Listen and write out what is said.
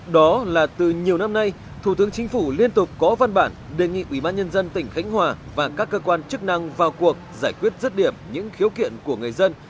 đó là từ nhiều năm nay thủ tướng chính phủ liên tục có văn bản đề nghị ubnd tỉnh khánh hòa và các cơ quan chức năng vào cuộc giải quyết rứt điểm những khiếu kiện của người dân